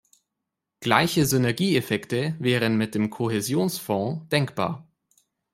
Gleiche Synergieeffekte wären mit dem Kohäsionsfonds denkbar.